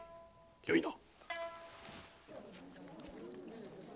よいな。